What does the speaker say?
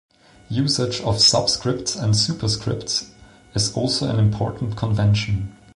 Usage of subscripts and superscripts is also an important convention.